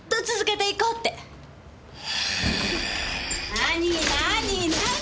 何何何？